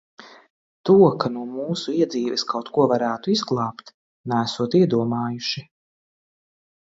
To, ka no mūsu iedzīves kaut ko varētu izglābt, neesot iedomājuši.